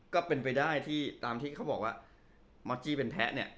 ก็เป็นไปได้ที่ตามที่เขาบอกว่าม็อบจี้เป็นแพ้เนี่ย